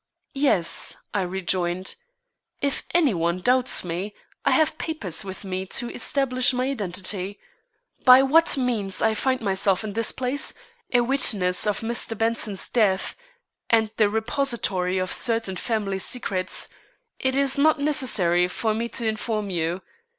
"Yes," I rejoined; "if any one doubts me, I have papers with me to establish my identity. By what means I find myself in this place, a witness of Mr. Benson's death and the repository of certain family secrets, it is not necessary for me to inform you.